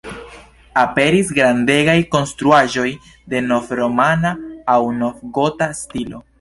Aperis grandegaj konstruaĵoj de nov-romana aŭ nov-gota stilo.